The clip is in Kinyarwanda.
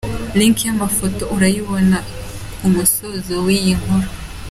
Link y’ amafoto urayibona ku musozo w’ iyi nkuru.